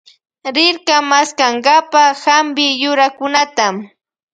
Rirka maskankapa hampi yurakunata.